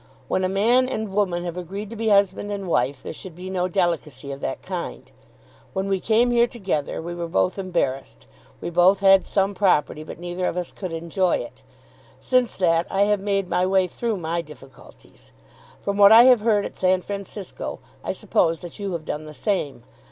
When a man and woman have agreed to be husband and wife there should be no delicacy of that kind. When we came here together we were both embarrassed. We both had some property, but neither of us could enjoy it. Since that I have made my way through my difficulties. From what I have heard at San Francisco I suppose that you have done the same.